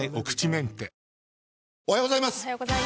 おはようございます。